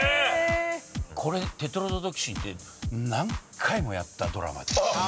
これテトロドトキシンって何回もやったドラマで。